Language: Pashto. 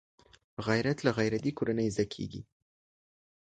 غیرت له غیرتي کورنۍ زده کېږي